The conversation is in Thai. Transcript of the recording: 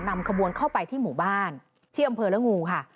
นำขบวนเข้าไปที่หมู่บ้านที่อำเภอละงูค่ะ